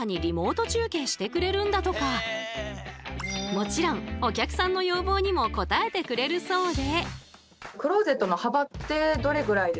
もちろんお客さんの要望にも応えてくれるそうで。